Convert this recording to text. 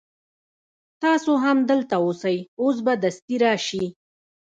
تاسو هم دلته اوسئ اوس به دستي راسي.